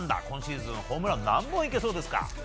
今シーズンはホームラン、何本いけそうですか？